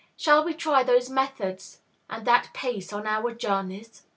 Shall we try those methods and that pace on our journeys?